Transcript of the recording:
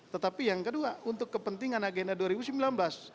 tetapi yang kedua untuk kepentingan agenda dua ribu sembilan belas